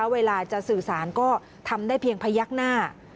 เวลาจะสื่อสารก็ทำได้เพียงพยักหน้า